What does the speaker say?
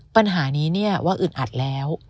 ปัญหานี้เนี่ยว่าอึดอัดแล้ว